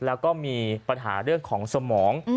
แล้วก็มีปัญหาเรื่องของสมอง